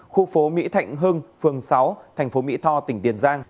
khu phố mỹ thạnh hưng phường sáu tỉnh tiền giang